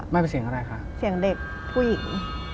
ไม่เป็นเสียงอะไรคะเสียงเด็กผู้หญิง